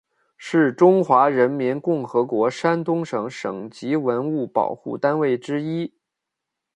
是中华人民共和国山东省省级文物保护单位之一。